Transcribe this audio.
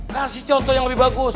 kasih contoh yang lebih bagus